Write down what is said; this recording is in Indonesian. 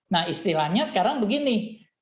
nah istilahnya sekarang begini